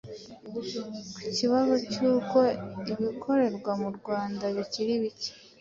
Ku kibazo cy’uko ibikorewa mu Rwanda bikiri bike,